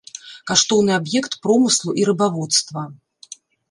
Каштоўны аб'ект промыслу і рыбаводства.